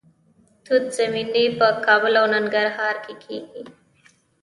توت زمینی په کابل او ننګرهار کې کیږي.